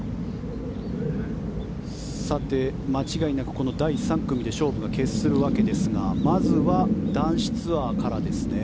間違いなくこの第３組で勝負が決するわけですがまずは男子ツアーからですね。